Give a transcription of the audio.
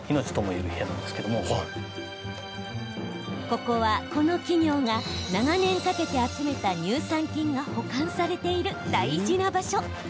ここは、この企業が長年かけて集めた乳酸菌が保管されている大事な場所。